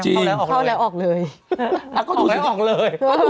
เท่าแล้วออกเลย